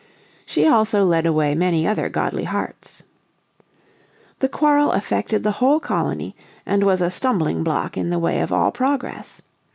She also led away many other godly hearts. The quarrel affected the whole colony, and was a stumbling block in the way of all progress.